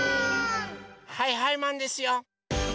はいはいマンですよ！